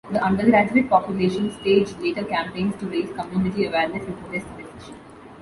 The undergraduate population staged letter campaigns to raise community awareness and protest the decision.